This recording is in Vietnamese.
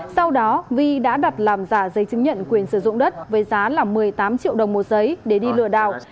sau đó vi đã đặt làm giả giấy chứng nhận quyền sử dụng đất với giá là một mươi tám triệu đồng một giấy để đi lừa đảo